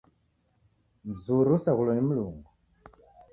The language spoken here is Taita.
Mzuri usaghulo ni Mlungu.